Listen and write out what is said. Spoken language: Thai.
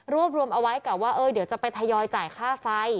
รวมเอาไว้กับว่าเดี๋ยวจะไปทยอยจ่ายค่าไฟ